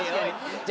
じゃあ。